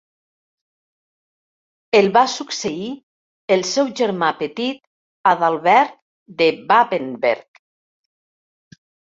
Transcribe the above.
El va succeir el seu germà petit Adalbert de Babenberg.